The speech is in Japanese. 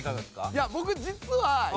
いや僕実はえっ！